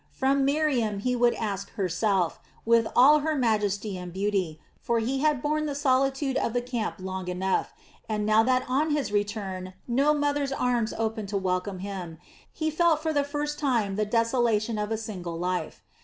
From Miriam he would ask herself, with all her majesty and beauty, for he had borne the solitude of the camp long enough, and now that on his return no mother's arms opened to welcome him, he felt for the first time the desolation of a single life.